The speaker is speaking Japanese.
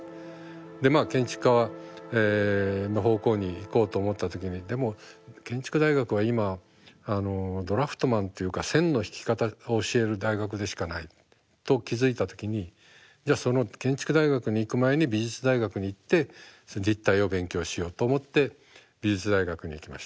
でまあ建築家の方向に行こうと思った時にでも建築大学は今ドラフトマンというか線の引き方を教える大学でしかないと気付いた時にじゃあその建築大学に行く前に美術大学に行って立体を勉強しようと思って美術大学に行きました。